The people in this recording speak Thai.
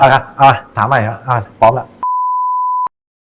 ออปตตรคืออะไร